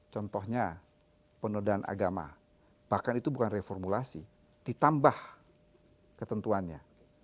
contohnya penodaan agama bahkan itu bukan reformulasi ditambah ketentuannya